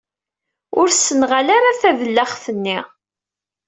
Ur ssenɣal ara tadlaxt-nni.